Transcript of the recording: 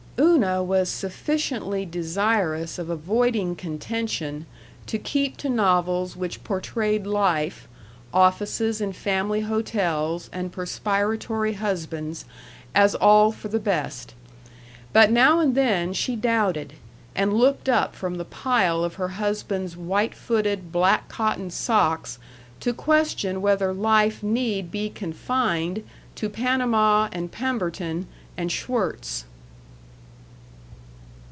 Una was sufficiently desirous of avoiding contention to keep to novels which portrayed life offices and family hotels and perspiratory husbands as all for the best. But now and then she doubted, and looked up from the pile of her husband's white footed black cotton socks to question whether life need be confined to Panama and Pemberton and Schwirtz.